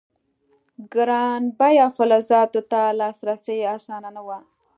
ګران بیه فلزاتو ته لاسرسی اسانه نه و.